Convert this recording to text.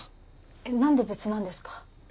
えっ何で別なんですか？